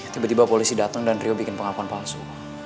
tiba tiba polisi datang dan rio bikin pengakuan palsu